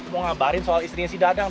mau ngabarin soal istrinya si dadang